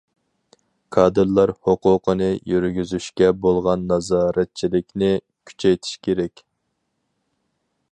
كادىرلار ھوقۇقىنى يۈرگۈزۈشكە بولغان نازارەتچىلىكنى كۈچەيتىش كېرەك.